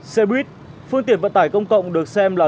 xe buýt phương tiện vận tải công cộng được xem là